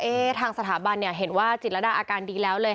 ทางสถาบันเนี่ยเห็นว่าจิตรดาอาการดีแล้วเลย